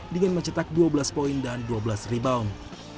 dengan mencetak dua belas poin dan dua belas rebound